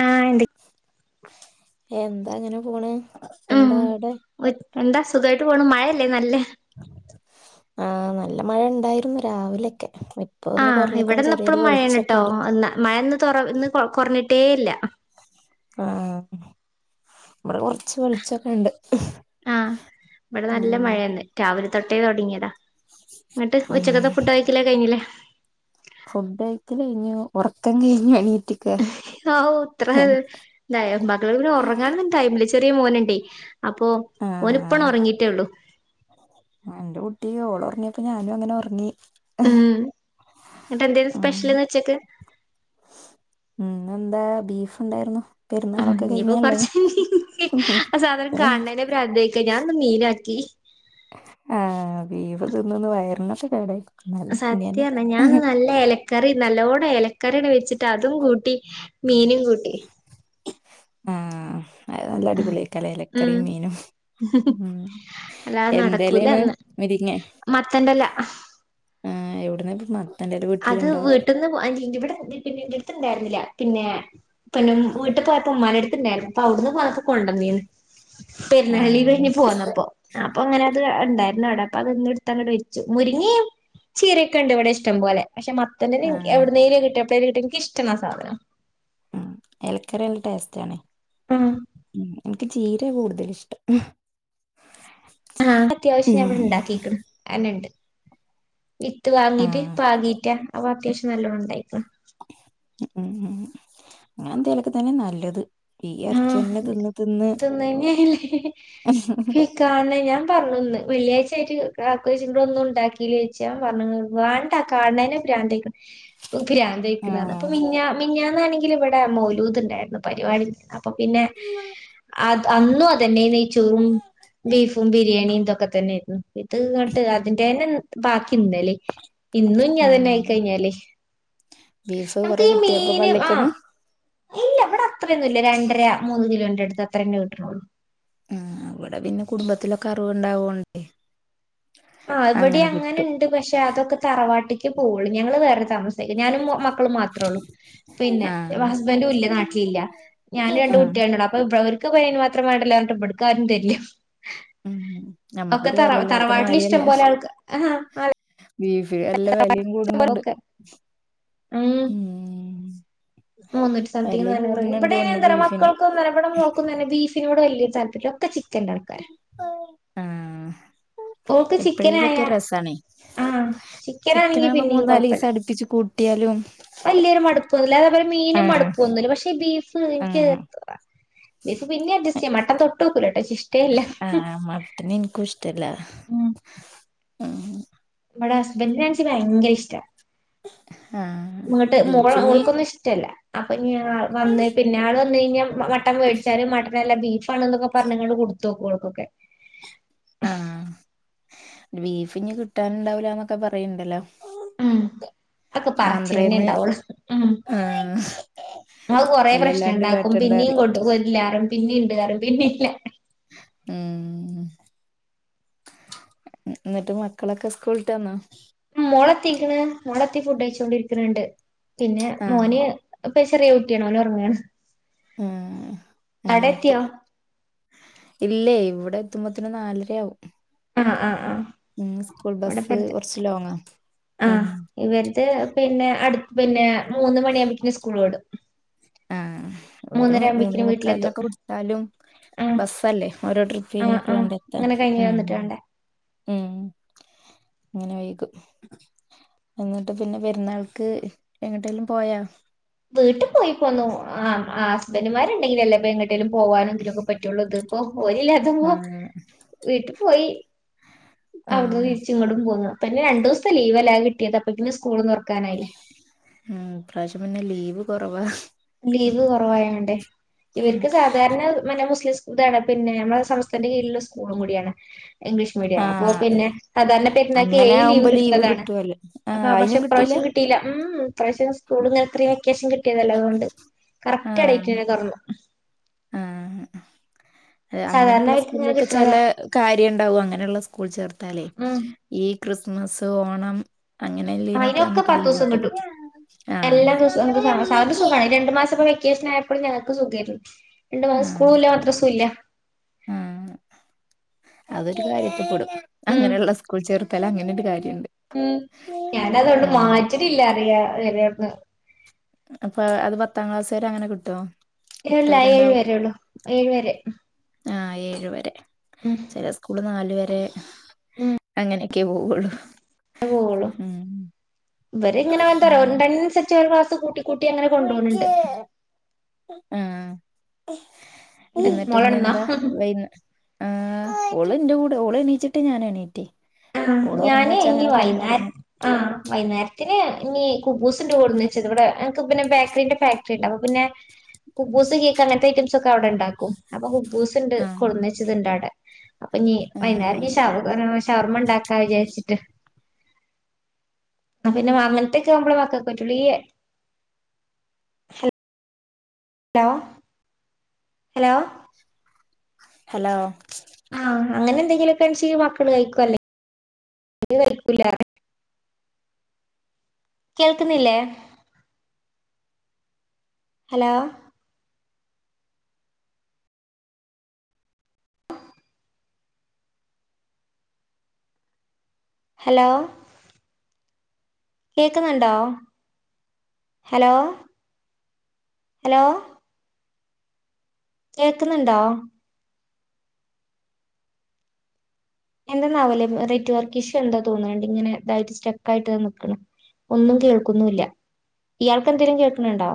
ആഹ് എന്ത എന്താ അങ്ങനെ പോണ് എന്താ അവിടെ? ഒയ്, എന്താ സുഖായിട്ട് പോണു. മഴയല്ലേ നല്ലേ? ആഹ് നല്ല മഴണ്ടായിരുന്നു രാവിലെയൊക്കെ. ഒന്ന് ആഹ് കുറഞ്ഞിക്കണ് ഇവടന്ന് ചെറിയൊരു ഇപ്പളും മഴയാണ് വെളിച്ചൊക്കെ ട്ടോ ഉണ്ട് അഹ് ന്ന മഴന്ന് തൊറ ഇന്ന് കൊർഞ്ഞിട്ടേ ഇല്ല. ആഹ് ആഹ് ഇവടെ കൊർച്ച് വെൾച്ചക്കെ ണ്ട് ഉം മഴയന്നെ രാവിലെ തൊട്ടേ തൊടങ്ങിയതാ. ന്നട്ട് ഉച്ചക്കത്തെ ഉം. ഫുഡ് കഴിക്കലൊക്കെ കഴിഞ്ഞില്ലേ? ഫുഡഴിക്കല് കഴിഞ്ഞു ഒറക്കം കഴിഞ്ഞു എണീട്ട്. ആവു ഇത്ര ത് തായോ മകൾ പിന്നെ ഒറങ്ങാനും ടൈമില്ലെ ചെറിയ മോന്ണ്ടേ. ആഹ് ആഹ് എന്റെ കുട്ടി ഓള് ഒർങ്ങിയപ്പ ഞാനും അങ്ങനെ ഒർങ്ങി. ങ്ങട്ട് എന്തേ സ്പെഷ്യല്ന്ന് ഉച്ചക്ക്? ഉം ഇന്ന് എന്താ ബീഫ്ണ്ടായിരുന്നു. ആഹ് ഇനിയിപ്പോ കൊർച്ച് ആഹ് സാധനം കാൺണേനെ ഭ്രാന്താക്ക ഞാ ഇന്ന് മീനാക്കി. ആഹ് ബീഫ് തിന്നന്ന് വയറിനൊക്കെ കേടായി. എന്നാലും തിന്നന്നെ സത്യാണ് ഞാൻ ഇന്ന് നല്ല എല കറി നല്ലോണം എലക്കറിണ്ട് വെച്ചിട്ട് അതും കൂട്ടി മീനും കൂട്ടി. ആഹ് അഹ് നല്ല അടിപൊളിക്കലേ ഉം എലക്കറിം മീനും. ഉം അല്ലാതെ എന്തലേണ് നടക്കൂലന്ന് മുരിങ്ങേ? മത്തന്റെല ആഹ് എഒട്ന്ന പ്പാ മ അത് വീട്ട്ന്ന് [unintelligible] ഇവടെ പിന്നെ ഇന്റെടുത്ത് ണ്ടായിരുന്നില്ല പിന്നെ പൊന്നും വീട്ട് പോയപ്പൊ ഉമ്മാന്റെ അട്ത്ത്ണ്ടായിന്നു. അപ്പ അഒട്ന്ന് പോന്നപ്പം കൊണ്ടന്നീന്ന് ആ പെരുന്നാളി കഴിഞ്ഞ് പോന്നപ്പോ. അപ്പ ങ്ങനെ അത് ണ്ടായിരുന്നു അഒടെ അപ്പ അത് ന്ന്ട്ത്ത അങ്ങട്ട് വെച്ചു മുരിങ്ങിം. ചീരക്ക ണ്ട് ഇവടെ ഇഷ്ടം പോലെ. പക്ഷെ ആ മത്തൻ്റെലിം എവ്ട്ന്നേലും കിട്ടിയപ്പ്ളെ അയ്ൻ കിട്ട്യ. ഇൻക്ക് ഇഷ്ടാണാ ആഹ് സാധനം. ആഹ് എലക്കറി നല്ല ടേസ്റ്റ് ആണ് ഉം ഉം. ഇൻക്ക് ചീരേ കൂടുതല് ഇഷ്ടം. ആഹ് അത്യാവശ്യം ഞാൻ ഉം ഇവടെ ണ്ടാക്കിക്ക്ണ് അഹന്നെ ണ്ട്. വിത്ത് ആ വാങ്ങീട്ട് പാകീറ്റാ അവ അത്യാവശ്യം നല്ലോണം ണ്ടായിക്ക്ണ്. ഉം ഉം അങ്ങനെ എന്തേലൊക്കെ തന്നെ നല്ലത്. ഈ എറച്ചിന്നെ ആഹ് തിന്ന് തിന്ന് തിന്നയ്ഞ്ഞല്ലേ ഹി കാണ്ല്ല്യ ഞാ പർഞ്ഞുന്ന് വെള്ളിയാഴ്ച ആയിട്ട് കാക്കോയ്ച്ച് ഇവടെ ഒന്നും ണ്ടാക്കില്ലേ ച്ച്. ഞാൻ പർഞ്ഞ് ങ്ങള് വാ അഹ് കാണ്ന്നെന് ഭ്രാന്തായിക്ക്. ഓക്ക് ആ ഭ്രാന്തായിക്ക്ണ് ർഞ്ഞ് അപ്പ മിഞ്ഞ മിഞ്ഞാന്നാണെങ്കിൽ ഇവടെ മൗലൂദ് ണ്ടായിരുന്നു പരിപാടി. അപ്പൊ പിന്നെ അത് അന്നും അതെന്നെ നെയ്ച്ചോറും ബീഫും ബിരിയാണിയും ഇതൊക്കെ തന്നൊയിരുന്നു ഇത് ഇങ്ങട്ട് അതിന്റെ ന്നെ ബാക്കി ഇന്നലിം. ഇന്നും ഇഞ്ഞ് അതന്നെ ഉം ആയിക്കഴിഞ്ഞാല്. ബീഫ് കൊറെ കിട്ട്യപ്പൊ പള്ളിക്കന്ന്? ആഹ് ഇല്ല ഇവടെ അത്രയന്നും ല്ല രണ്ടര മൂന്ന് കിലോന്റെ അട്ത്ത് അത്രന്നെ കിട്ട്ണൊള്ളൂ. ആഹ് ഇവടെ പിന്നെ കുടുംബത്തിലൊക്കെ അറവുണ്ടാവോണ്ടേ. ആഹ് ഇവിടെ അങ്ങനെ ണ്ട് പക്ഷെ അതൊക്കെ തറവാട്ട്ക്ക് പോകുള്ളൂ. ഞങ്ങള് വേറെ താമസിക്ക ഞാനും മൊ മ ക്കളും മാത്ര ഉള്ളൂ. പിന്നെ ആ ഹസ്ബന്റും ഇല്ല നാട്ടിലില്ല ഞാന് രണ്ട് ആ കുട്ട്യളന്നെള്ളൂ അപ്പ വ്വോര് ക്ക് ഇപ്പ അയിന് മാത്രം വേണ്ടല്ലോ പർഞ്ഞിട്ട് ഇബട്ക്ക് ആരും തരില്ല. ഉം ഒക്കെ നമ്മക്കൊരു തറ വെലല്ലാത്ത തറവാട്ടിൽ ഇഷ്ടം മാരിയല്ല. പോലെ ആൾക്ക് ആഹ് ബീഫ് നല്ല വെലിം ആഹ് കൂടുന്നുണ്ട് ഒക്കെ ഉം ഉം. മുന്നൂറ്റി സംതിംഗ് വെലയും നാനൂറ് കൂടുന്നുണ്ട് ഇവടെ തോന്നുന്നു എന്തറ്യ ബീഫിന് മക്കൾക്കും ന്നറ്യ ഇബടെ മോൾക്കും ബീഫിനോട് വല്യ താല്പര്യല്ല ഒക്കെ ചിക്കന്റെ ആൾക്കാര. ആഹ് ഓൾക്ക് ചിക്കനായ എപ്പഴേലൊക്കെ രസാണേ ആഹ് ചിക്കനാണെങ്കി ചിക്കനാകുമ്പോ പിന്നെയും മൂന്നാലീസം അട്പ്പിച്ച് കൂ ട്ടിയാലും വല്യരു മട്പ്പൊന്നുല്ല അതേപേലെ മീനും മട്പ്പൊന്നുല്ല. പക്ഷേ ബീഫ് ഇൻക്ക് ആഹ് അത്ര ബീഫ് പിന്നെയും അഡ്ജസ്റ്റ് ചെയ്യാ മട്ടൻ തൊട്ടുനോക്കൂല്ല ട്ടോ ഇച്ച് ഇഷ് ആഹ് മട്ടന് ഇൻക്കും ഇഷ്ടല്ല. ആ ആഹ് ഇവടെ ഹസ്ബന്റിന് ആണിച്ചാ ഭയങ്കര ഇഷ്ടാ. ആഹ് ഇങ്ങോട്ട് മുള ബീഫിന് മോൾക്കൊന്നും ഇഷ്ടല്ല അപ്പൊ ഇനി വന്ന് പിന്നാള് വന്ന് കഴിഞ്ഞാൽ മ ട്ടൻ മേടിച്ചാലും മട്ടനല്ല ബീഫാണ് എന്നൊക്കെ പറഞ്ഞ് കൊടുത്തോക്കും ഓൾക്കൊക്കെ ആഹ് ബീഫിഞ് കിട്ടാനുണ്ടാവുലാന്നൊക്കെ പറയ്ണ്ടല്ലോ? [unintelligible] അതൊക്കെ പറച്ചില് തന്നെ ആന്ധ്രേന്ന് ഇണ്ടാവുള്ളു ഉം ആഹ് അഹ് കൊറെ പ്രശ്നം വെലല്ലാണ്ട് ഇണ്ടാക്കും കാട്ടണ്ട പിന്നെയും പറയും കൊണ്ട് കൊല്ലാറും പിന്നീണ്ട് പറയും പിന്നില്ല. ഉം ഇന്നട്ട് മക്കളൊക്കെ സ്കൂളിട്ട് വന്നോ? മോളെത്തിക്ക്ണ് മോളെത്തി ഫുഡ് കഴ്ച്ചൊണ്ടിരിക്ക്ണണ്ട് പിന്നെ ആഹ് മോന് ഇപ്പം ചെറിയ കുട്ടിയാണ് ഓന് ഉറങ്ങാണ്. ഉം അങ്ങനെയൊക്കെ എത്തിയോ ഇല്ലേ ഇവിടെ എത്തുമ്പോത്തന് നാലരയാവും. ആഹ് ആഹ് ആഹ് ഉം സ്കൂൾ ബസ്സ് ഇവിടെപ്പടുത്ത് കുറച്ച് ലോങ്ങ ഉം ഇവടത്തെ പിന്നെ അടുത്ത് പിന്നെ മൂന്ന് മണിയാകുമ്പോക്ക്നും സ്കൂൾ വിടും. ആഹ് ഒരു മൂന്നര മൂന്നേ ആകുമ്പക്കിന് വീട്ടിലെത്തും മുക്കാലിനൊക്കെ വി ട്ടാലും ആഹ് ബസ്സല്ലേ ഓരോ ട്രിപ്പ് ആഹ് കഴിഞ്ഞിട്ട് ആഹ് വേണ്ടെ എത്താൻ അങ്ങനെ കഴിഞ്ഞ് ഉം വന്നിട്ട് വേണ്ടേ ഉം അങ്ങനെ വൈകും. എന്നിട്ട് പിന്നെ പെരുന്നാൾക്ക് എങ്ങട്ടെലും പോയോ? വീട്ടിൽ പോയി പോന്നു ആ ആ ഹസ്ബൻഡുമാരുണ്ടെങ്കില് അല്ലേ ഇപ്പ എങ്ങട്ടേലും പോവാനും ഇതിനൊക്കെ പറ്റുള്ളത്. അപ്പം ഓല് ഇല്ലാത്തപ്പോ ആഹ് വീട്ടിൽ പോയി. അവിടന്ന് ആഹ് തിരിച്ച ഇങ്ങോട്ടും പോന്ന് പിന്നെ രണ്ടു ദിവസത്തെ ലീവ് അല്ലേ കിട്ടിയത് അപ്പോതേക്കും സ്കൂളും തുറക്കാനായില്ലേ? ഉം ഇപ്രാവിശ്യം പിന്നെ ലീവ് കുറവാ. ലീവ് കുറവായോണ്ട് ഇവർക്ക് സാധാരണ മുസ്ലിംസ് ഇതാണ് പിന്നെ നമ്മളുടെ സംസ്ഥത്തിന്റെ കീഴിലുള്ള സ്കൂളും കൂടിയാണ് ഇംഗ്ലീഷ് അപ്പൊ ആഹ് പിന്നെ സാാരണ പെരുന്നക്ക് അങ്ങനെ ഏയ്യ്ലീവ് ആവുമ്പോ ലീവ് കിട്ടുന്നതാണ് കിട്ടുവല്ലോ ആഹ് പക്ഷെ അയിനും കിട്ടീല പ്രാവശ്യം കിട്ടയി ഉം പ്രശ്യ സ്കൂ ഇത്രയും വെക്കേഷൻ കിട്ടിയതല്ലോ അതുകൊണ്ട് കറക്റ്റ് ആഹ് ആഡേറ്റ്ന് തുറന്നു. ആഹ് സാധാരണ അങ്ങനെയുള്ള അവർക്ക് ഇങ്ങനെ സ്കൂളിലൊക്കെ ചെല കിട്ടണതാ കാര്യം ഉണ്ടാവും അങ്ങനെയുള്ള സ്കൂൾ ചേർത്താലേ ഉം ഈ ക്രിസ്മസ് ഓണം. അങ്ങനെല്ലീനൊക്കെ അയിനൊക്കെ നമ്മക്ക് ലീവ് പത്തുസം കിട്ടും. ആഹ് എല്ലാം സുഖമാണ് രണ്ടു മാസ ഇ വെക്ക അ ഞാനക്കക്ക് സുഖമായിരുന്നു രണ്ടു മാസം സ്കൂളൂല്ല മാത്രം സുല്ല. ഉ അതൊരു കാര്യത്തിൽപ്പെടും ഉം അങ്ങനെയുള്ള കുൾ ചറർത്തല അങ്ങനൊ ഒരു കാര്യുണ്ട്. ഉം ഞാന അതുകണ്ട് മാറ്റിട്ടില്ല അറിയ വരന്ന് അപ്പൊ അത് പത്താം ക്ലാസ് വരെ അങ്ങനെ കിട്ടുമോ? അല്ല ഏഴ വര ഉള്ളു ഏഴ വരെ ആഹ ഏഴ വരെ ഉം ചില സ്കൂള് നാല വരെ അങ്ങനെയൊക്കെ പോവയുള്ളു. ഇവരി ഇങ്ങനെ ഉം വ ചലാ ക്ലാസ്സ്‌ കൂട്ട കൂട്ടി അങ്ങെ കൊണ്ട്പോകുന്നുണ്ട്. ആഹ എന്നിട്ട് ഇനിെന്താ വ ഓളിറ്റെ കൂടെ ഓള് എണീച്ചിട്ട് ഞാൻ എണീറ്റി ഞാന് ഇനി വൈന്നാ ആഹ് വൈകുന്നേരത്തിന് ഇനി കുബ്ബുസ് കൊണ്ട് കൂടന്ന് വെച്ച ഇത് ഇവിടെ എനക്ക് പിന്നെ ബേക്കറിന്റെ ഫാക്ടറി ഉണ്ട് അപ്പൊ പിന്നെ കുബുസ് കേക്ക് അങ്ങനത്തെ ഐറ്റം ഒക്കെ അവിടെ ഉണ്ടാക്കും കുബൂസ്ണ്ട് ആഹ് കൊണ്ടന്നച്ചത്ണ്ട് അവിടെ അപ്പൊ നീ വൈകുന്നേരം ഈ ആഹ് ശാവക ഷവർമ ഇണ്ടാക്കാ വിചാരിച്ചിട്ട് ആ പിന്നെ അങ്ങനത്തൊക്കെ അമ്മടെ മക്കൾക്ക് പറ്റുള്ളൂ ഹലോ ഹലോ ഹലോ ആഹ അങ്ങനെ എന്തെങ്കിലൊക്കാണെ മക്കൾ കഴികും അല്ലേ കേൾക്കുന്നില്ലേ ഹലോ ഹലോ കേൾക്കുന്നുണ്ടോ ഹലോ ഹലോ കേക്കുന്നുണ്ടോ എന്താന്നാ ന്നവല്ലേ നെറ്റ് വർക്ക് ഇഷ്യ എന്താ തോന്നുന്നുണ്ട് ഇങ്ങനെ ഇതായിട്ട സ്റ്റെക്ക ആയിട്ട് നൽക്ണ് ഒന്നും കേൾക്കുന്നുല്ല ഇയാൾക്ക് എന്തെങ്കിലും കേൾക്ണുണ്ടോ